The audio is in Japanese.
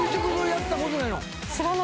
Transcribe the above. やったことない。